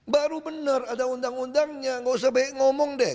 baru benar ada undang undangnya nggak usah baik ngomong deh